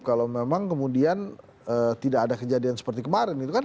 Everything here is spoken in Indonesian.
kalau memang kemudian tidak ada kejadian seperti kemarin